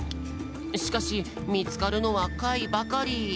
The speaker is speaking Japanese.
しかしみつかるのはかいばかり。